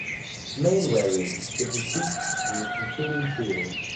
Mainwaring gives a speech and the platoon cheer.